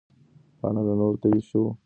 پاڼه له نورو تویو شوو پاڼو سره توپیر لري.